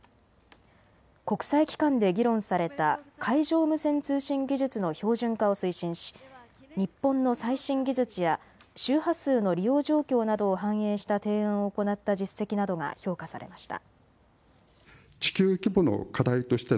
国際機関で議論された海上無線通信技術の標準化を推進し日本の最新技術や周波数の利用状況などを反映した提案を行った実績などが評価されました。